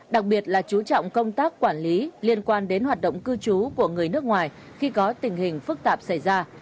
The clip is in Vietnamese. đặc biệt là chú trọng công tác quản lý liên quan đến hoạt động cư trú của người nước ngoài khi có tình hình phức tạp xảy ra